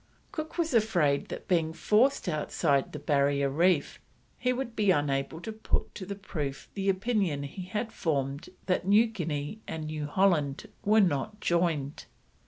Cook was afraid that being forced outside the Barrier Reef he would be unable to put to the proof the opinion he had formed that New Guinea and New Holland were not joined.